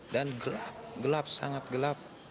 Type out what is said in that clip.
dan gelap gelap sangat gelap